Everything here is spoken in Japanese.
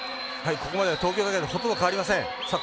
ここまでは東京大会とほとんど変わりません。